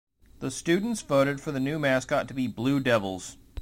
The students voted for the new mascot to be "Blue Devils".